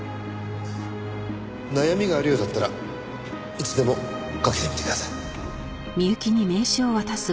悩みがあるようだったらいつでもかけてみてください。